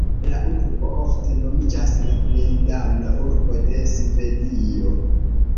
La urbo ofte nomiĝas "la plej dana urbo de Svedio".